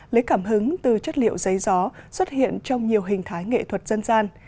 lấy cảm hứng từ chất liệu giấy gió xuất hiện trong nhiều hình thái nghệ thuật dân gian